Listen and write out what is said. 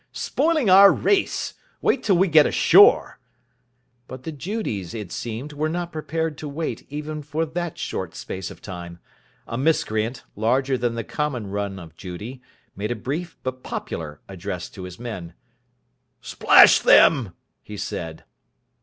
Spoiling our race. Wait till we get ashore." But the Judies, it seemed, were not prepared to wait even for that short space of time. A miscreant, larger than the common run of Judy, made a brief, but popular, address to his men. "Splash them!" he said.